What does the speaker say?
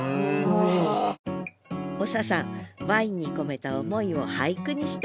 長さんワインに込めた思いを俳句にしてくれました